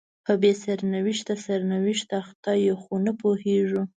په بې سرنوشته سرنوشت اخته یو خو نه پوهیږو